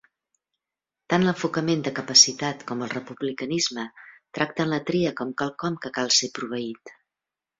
Tant l'enfocament de capacitat com el republicanisme tracten la tria com quelcom que cal ser proveït.